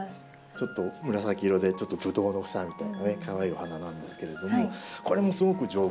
ちょっと紫色でちょっとブドウの房みたいなねかわいいお花なんですけれどもこれもすごく丈夫で。